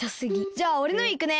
じゃあおれのいくね。